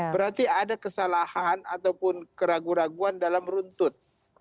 berarti ada kesalahan ataupun keraguan keraguan dalam runtut